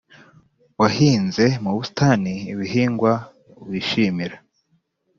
Wahinze mu busitani ibihingwa wishimira,